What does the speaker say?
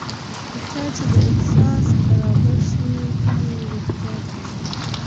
په چا چې دا احساس برابر شي هیلې یې رښتیا کېږي